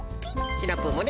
シナプーもね。